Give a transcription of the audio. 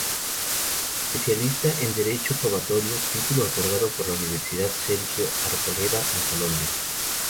Especialista en Derecho Probatorio, título otorgado por la Universidad Sergio Arboleda en Colombia.